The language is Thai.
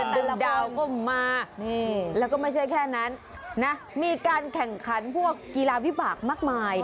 ดาวก็มานี่แล้วก็ไม่ใช่แค่นั้นนะมีการแข่งขันพวกกีฬาวิบากมากมาย